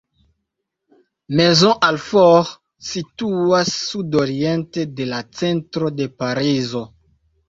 Maisons-Alfort situas sudoriente de la centro de Parizo.